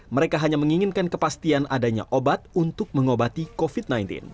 mereka hanya menginginkan kepastian adanya obat untuk mengobati covid sembilan belas